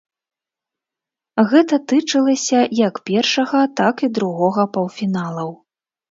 Гэта тычылася як першага, так і другога паўфіналаў.